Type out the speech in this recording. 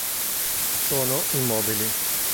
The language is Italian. Sono immobili.